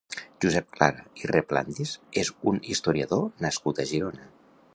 Josep Clara i Resplandis és un historiador nascut a Girona.